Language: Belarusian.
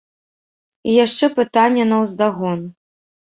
І яшчэ пытанне наўздагон.